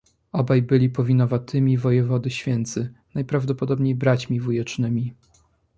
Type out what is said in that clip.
Obaj byli powinowatymi wojewody Święcy, najprawdopodobniej braćmi wujecznymi.